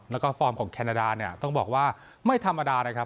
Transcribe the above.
แล้วก็ฟอร์มของแคนาดาเนี่ยต้องบอกว่าไม่ธรรมดานะครับ